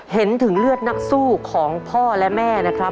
เห็นถึงเลือดนักสู้ของพ่อและแม่นะครับ